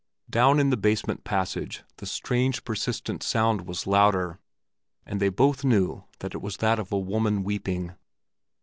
Down in the basement passage the strange, persistent sound was louder, and they both knew that it was that of a woman weeping.